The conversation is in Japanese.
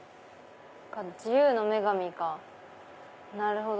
自由の女神かなるほど！